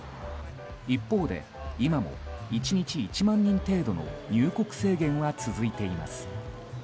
一方で、今も１日１万人程度の入国制限が続いています。